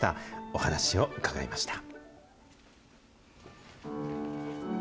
お話を伺いました。